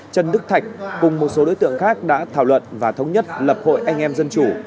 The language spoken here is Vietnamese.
trần đức thạch cùng một số đối tượng khác đã thảo luận và thống nhất lập hội anh em dân chủ